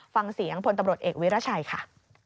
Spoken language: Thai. ฟังเสียงพลตำรวจเอกวิราชัยค่ะ